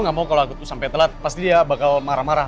aku gak mau kalo agutku sampe telat pasti dia bakal marah marah